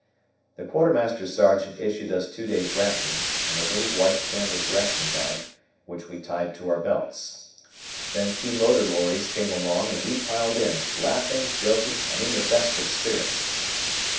The Quartermaster Sergeant issued us two days' rations, in a little white canvas ration bag, which we tied to our belts. Then two motor lorries came along and we piled in, laughing, joking, and in the best of spirits.